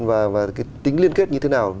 và tính liên kết như thế nào